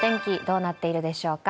外のお天気、どうなっているでしょうか。